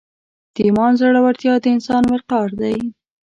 د ایمان زړورتیا د انسان وقار دی.